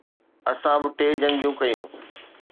اسان ٻه ٽي جنگيون ڪيون.